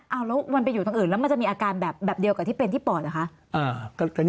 เอาแล้วมันไปอยู่ตรงอื่นแล้วมันจะมีอาการแบบเดียวกับที่เป็นที่ปอดเหรอคะ